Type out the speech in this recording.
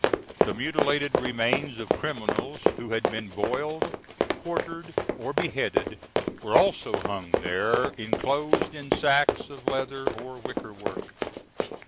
The mutilated remains of criminals who had been boiled, quartered, or beheaded, were also hung there, enclosed in sacks of leather or wickerwork.